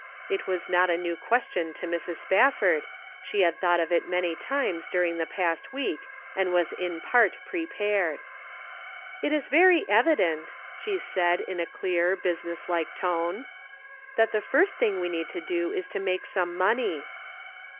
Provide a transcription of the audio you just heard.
It was not a new question to Mrs. Spafford, she had thought of it many times during the past week, and was in part prepared. " It is very evident," she said, in a clear, business like tone, " that the first thing we 244 The Pocket Measure. need to do is to make some money."